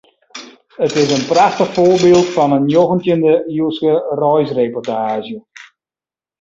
It is in prachtich foarbyld fan in njoggentjinde-iuwske reisreportaazje.